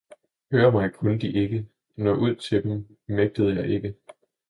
Høre mig kunne de ikke, nå ud til dem mægtede jeg ikke.